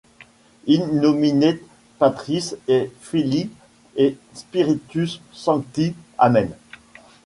† In nomine Patris, et Filii, et Spiritus Sancti, Amen.